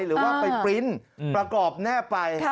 หรือว่าไปปริ้นต์ประกอบแนบไป